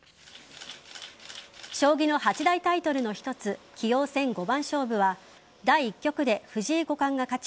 将棋の八大タイトルの一つ棋王戦五番勝負は第１局で藤井五冠が勝ち